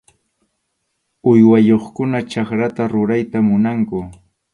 Uywayuqkuna chakrata rurayta munanku.